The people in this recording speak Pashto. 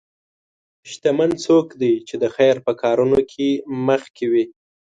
شتمن څوک دی چې د خیر په کارونو کې مخکې وي.